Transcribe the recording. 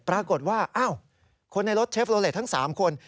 ปรากฏว่าอ้าวคนในรถเชฟโลเลสทั้ง๓คน